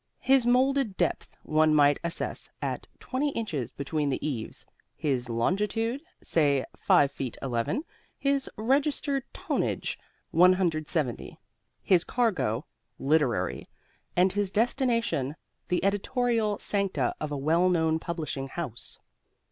His molded depth, one might assess at 20 inches between the eaves; his longitude, say, five feet eleven; his registered tonnage, 170; his cargo, literary; and his destination, the editorial sancta of a well known publishing house.